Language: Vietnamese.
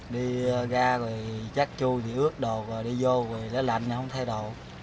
đi ra rồi chắc chui thì ướt đồ rồi đi vô rồi nó lạnh nó không thay đồ